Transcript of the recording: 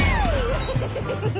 ウフフフフフフ。